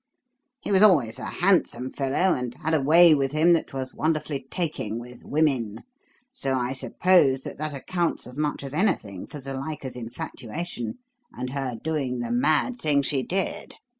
He was always a handsome fellow and had a way with him that was wonderfully taking with women, so I suppose that that accounts as much as anything for Zuilika's infatuation and her doing the mad thing she did.